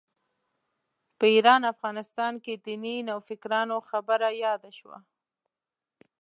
په ایران افغانستان کې دیني نوفکرانو خبره یاده شوه.